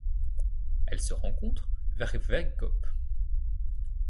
Elle se rencontre vers Vegkop.